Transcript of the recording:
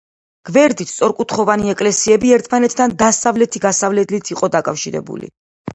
გვერდით სწორკუთხოვანი ეკლესიები ერთმანეთთან დასავლეთი გასასვლელით იყო დაკავშირებული.